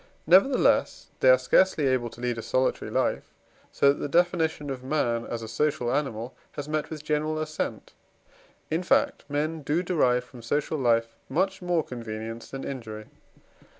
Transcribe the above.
Nevertheless they are scarcely able to lead a solitary life, so that the definition of man as a social animal has met with general assent; in fact, men do derive from social life much more convenience than injury.